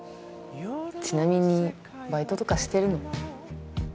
ちなみにバイトとかしてるの？